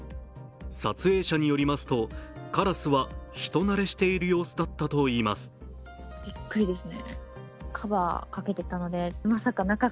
撮影者によりますと、カラスは人慣れしている様子だったといいます。